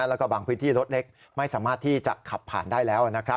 แล้วก็บางพื้นที่รถเล็กไม่สามารถที่จะขับผ่านได้แล้วนะครับ